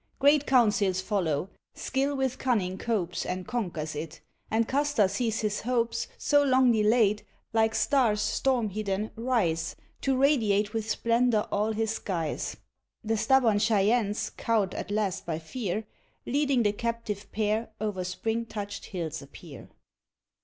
Great councils follow; skill with cunning copes And conquers it; and Custer sees his hopes So long delayed, like stars storm hidden, rise To radiate with splendor all his skies. The stubborn Cheyennes, cowed at last by fear, Leading the captive pair, o'er spring touched hills appear.